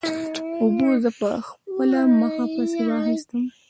اوبو زه پر خپله مخه پسې واخیستم.